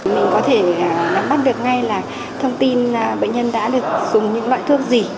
mình có thể nắm bắt được ngay là thông tin bệnh nhân đã được dùng những loại thuốc gì